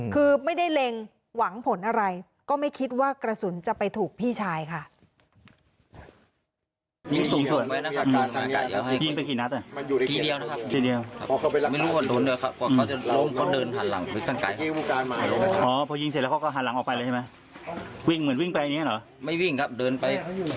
คือไม่ได้เล็งหวังผลอะไรก็ไม่คิดว่ากระสุนจะไปถูกพี่ชายค่ะ